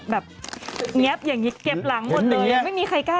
แบบแน๊บอย่างนี้เเก็บหลังหมดเลย